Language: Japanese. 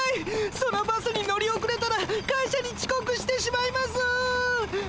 そのバスに乗り遅れたら会社にちこくしてしまいます。